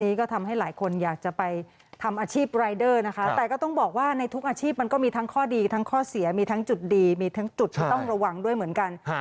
ก็ทำให้หลายคนอยากจะไปทำอาชีพรายเดอร์นะคะแต่ก็ต้องบอกว่าในทุกอาชีพมันก็มีทั้งข้อดีทั้งข้อเสียมีทั้งจุดดีมีทั้งจุดที่ต้องระวังด้วยเหมือนกัน